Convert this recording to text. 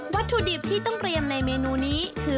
วัตถุดิบที่ต้องเตรียมในเมนูนี้คือ